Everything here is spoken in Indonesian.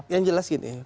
yang jelas gini